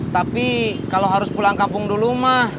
tapi kalau harus pulang kampung dulu mah